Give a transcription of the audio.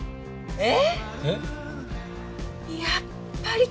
えっ？